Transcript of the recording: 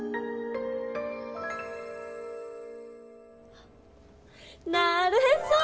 あなるへそ！